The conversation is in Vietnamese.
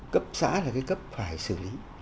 cấp xã là cái cấp phải xử lý